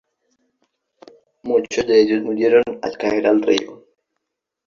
Muchos de ellos murieron al caer al río.